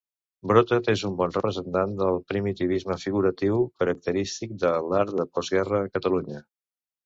Brotat és un bon representant del primitivisme figuratiu característic de l'art de postguerra a Catalunya.